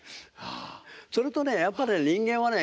それとねやっぱね人間はね